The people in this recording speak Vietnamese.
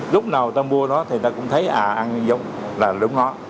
lúc nào ta mua đó thì ta cũng thấy ăn giống là đúng đó